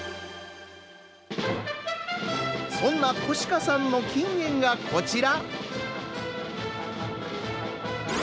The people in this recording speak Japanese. そんな小鹿さんの金言がこちら。